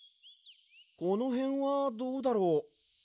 このへんはどうだろう。